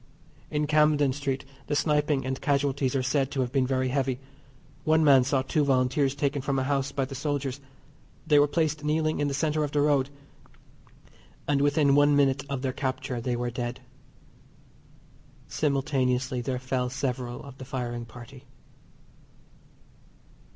In Camden Street the sniping and casualties are said to have been very heavy. One man saw two Volunteers taken from a house by the soldiers. They were placed kneeling in the centre of the road, and within one minute of their capture they were dead. Simultaneously there fell several of the firing party.